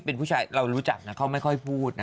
เป็นผู้ชายเรารู้จักนะเขาไม่ค่อยพูดนะ